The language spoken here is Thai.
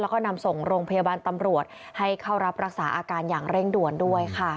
แล้วก็นำส่งโรงพยาบาลตำรวจให้เข้ารับรักษาอาการอย่างเร่งด่วนด้วยค่ะ